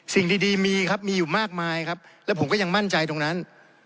สิ่งดีมีครับมีอยู่มากมายครับแล้วผมก็ยังมั่นใจตรงนั้น